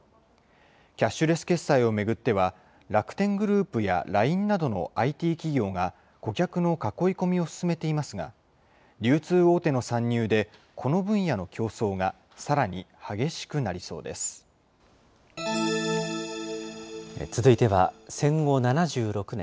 キャッシュレス決済を巡っては、楽天グループやＬＩＮＥなどのＩＴ企業が、顧客の囲い込みを進めていますが、流通大手の参入でこの分野の競争がさらに激しくなり続いては、戦後７６年。